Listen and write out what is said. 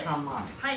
はい。